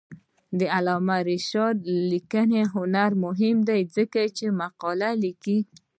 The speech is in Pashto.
د علامه رشاد لیکنی هنر مهم دی ځکه چې مقالې لیکي.